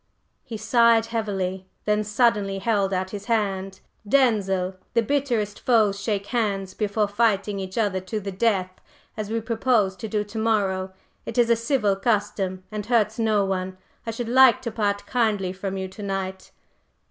He sighed heavily, then suddenly held out his hand. "Denzil, the bitterest foes shake hands before fighting each other to the death, as we propose to do to morrow; it is a civil custom and hurts no one. I should like to part kindly from you to night!"